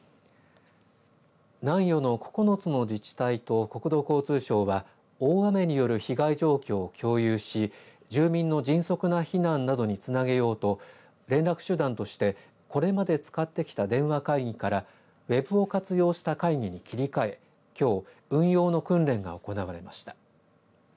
南予の９つの自治体と国土交通省が大雨による被害状況を共有し住民の迅速な避難などにつなげようと連絡手段としてこれまで使ってきた電話会議からＷＥＢを活用した会議に切り替えきょう、運用の訓練が行われました。